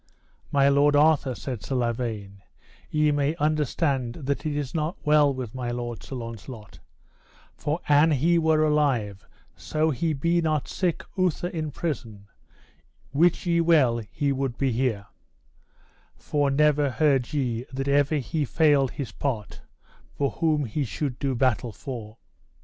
My lord Arthur, said Sir Lavaine, ye may understand that it is not well with my lord Sir Launcelot, for an he were alive, so he be not sick outher in prison, wit ye well he would be here; for never heard ye that ever he failed his part for whom he should do battle for.